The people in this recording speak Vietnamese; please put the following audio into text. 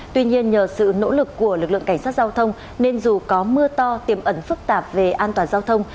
tuy nhiên nhờ sự nỗ lực của lực lượng cảnh sát giao thông nên dù có mưa to tiềm ẩn phức tạp về an toàn giao thông